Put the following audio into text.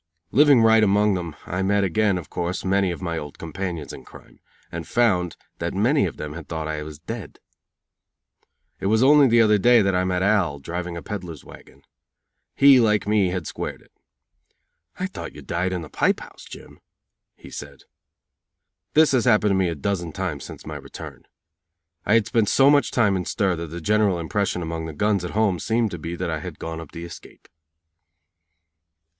'" Living right among them, I met again, of course, many of my old companions in crime, and found that many of them had thought I was dead. It was only the other day that I met "Al", driving a peddlers wagon. He, like me, had squared it. "I thought you died in the pipe house, Jim," he said. This has happened to me a dozen times since my return. I had spent so much time in stir that the general impression among the guns at home seemed to be that I had "gone up the escape."